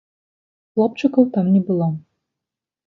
Хлопчыкаў там не было.